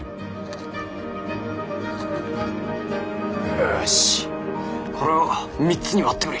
よしこれを３つに割ってくれ。